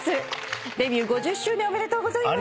デビュー５０周年おめでとうございます！